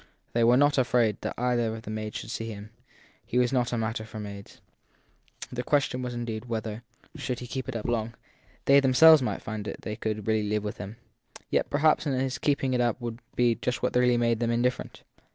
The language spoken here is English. They were not afraid that either of the maids should see him he was not a matter for maids. The ques tion indeed was whether should he keep it up long they themselves would find that they could really live witli him. Yet perhaps his keeping it up would be just what would make them indifferent.